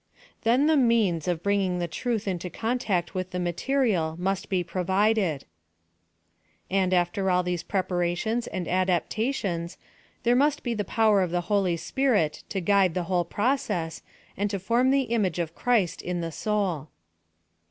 Then the means of bringing the truth into contact with the material must l)e pro vided; and after all these preparations and adapta tions, there must be the power of the Holy Spirit to guide the whole process, and to form the image of Christ in the soul.